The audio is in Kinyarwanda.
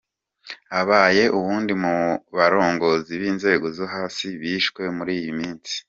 Abaye uwundi mu barongozi b'inzego zo hasi bishwe muri iyi minsi.